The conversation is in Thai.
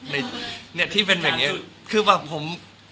เนี้ยที่เป็นวันนี้คือแบบผม